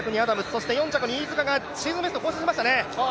そして４着に飯塚がシーズンベスト更新しましたね